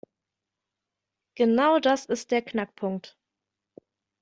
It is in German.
Genau das ist der Knackpunkt.